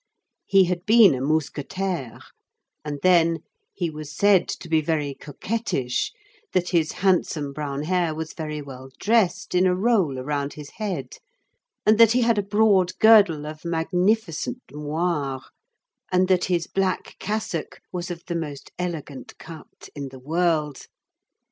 He had been a mousquetaire, and then, he was said to be very coquettish, that his handsome brown hair was very well dressed in a roll around his head, and that he had a broad girdle of magnificent moire, and that his black cassock was of the most elegant cut in the world.